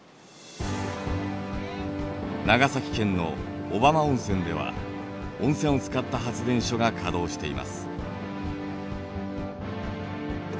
長崎県の小浜温泉では温泉を使った発電所が稼働しています。